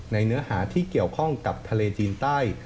เนื้อหาที่เกี่ยวข้องกับทะเลจีนใต้